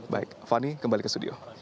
baik fani kembali ke studio